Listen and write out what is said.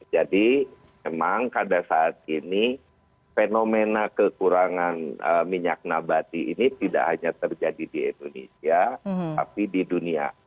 jadi memang pada saat ini fenomena kekurangan minyak nabati ini tidak hanya terjadi di indonesia tapi di dunia